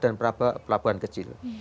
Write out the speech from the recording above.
dan berapa pelabuhan kecil